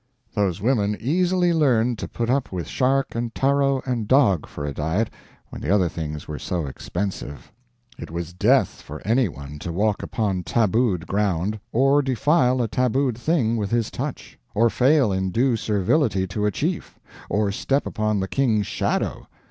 Those women easily learned to put up with shark and taro and dog for a diet when the other things were so expensive. It was death for any one to walk upon tabu'd ground; or defile a tabu'd thing with his touch; or fail in due servility to a chief; or step upon the king's shadow.